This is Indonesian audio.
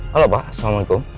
halo pak assalamualaikum